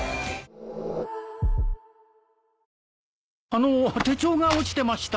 あの手帳が落ちてました。